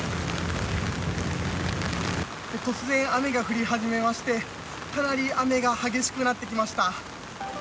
突然、雨が降り始めまして、かなり雨が激しくなってきました。